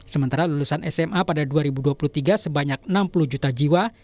sementara lulusan sma pada dua ribu dua puluh tiga sebanyak enam puluh juta jiwa